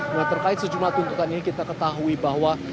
nah terkait sejumlah tuntutan ini kita ketahui bahwa